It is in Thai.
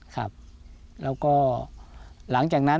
ครับแล้วก็หลังจากนั้น